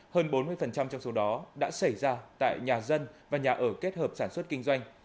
hơn bốn mươi trong số đó đã xảy ra tại nhà dân và nhà ở kết hợp sản xuất kinh doanh